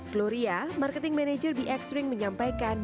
gloria marketing manager bx ring menyampaikan